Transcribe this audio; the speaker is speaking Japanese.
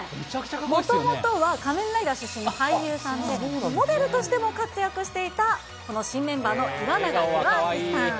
もともとは仮面ライダー出身の俳優さんで、モデルとしても活躍していたこの新メンバーの岩永洋昭さん。